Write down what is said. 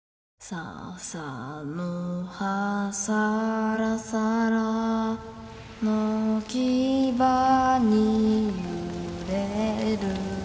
「ささの葉さらさら」「のきばにゆれる」